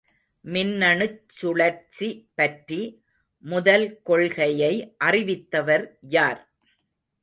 மின்னணுச் சுழற்சி பற்றி முதல் கொள்கையை அறிவித்தவர் யார்?